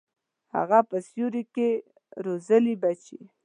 هغه په سیوري کي روزلي بچي